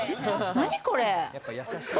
何これ？